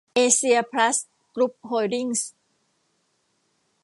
เอเซีย พลัส กรุ๊ป โฮลดิ้งส์